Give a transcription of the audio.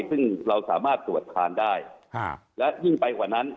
ซึ่งเราสามารถตรวจทานได้และยิ่งไปกว่านั้น